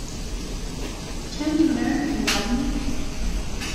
Can you learn to love me?